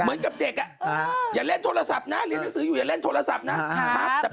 เหมือนกับเด็กอย่าเล่นโทรศัพท์นะเรียนหนังสืออยู่อย่าเล่นโทรศัพท์นะครับ